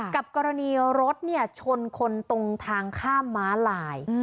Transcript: กับกรณีรถชนคนตรงทางข้ามม้าลาย